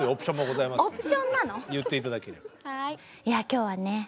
いや今日はね